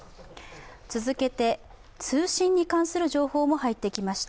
続けて、通信に関する情報も入ってきました。